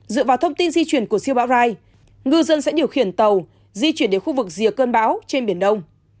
dựa vào thông tin di chuyển của siêu bão rai ngư dân sẽ điều khiển tàu di chuyển đến khu vực rìa cơn bão trên biển đông